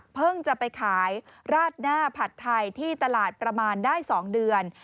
จะไปขายราดหน้าผัดไทยที่ตลาดประมาณได้๒เดือน